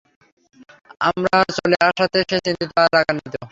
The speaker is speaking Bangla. আমার চলে আসাতে সে চিন্তিত আর রাগান্বিত?